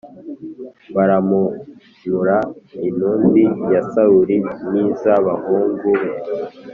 bamanura intumbi ya Sawuli nizabahungu be